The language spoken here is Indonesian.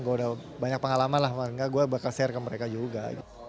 gue udah banyak pengalaman lah gue bakal share ke mereka juga